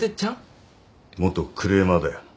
元クレーマーだよ。